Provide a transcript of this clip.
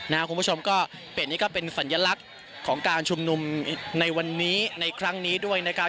คุณผู้ชมก็เปลี่ยนนี่ก็เป็นสัญลักษณ์ของการชุมนุมในวันนี้ในครั้งนี้ด้วยนะครับ